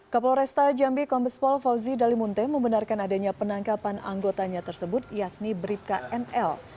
kapolresta jambi kombespol fauzi dalimunte membenarkan adanya penangkapan anggotanya tersebut yakni bribka nl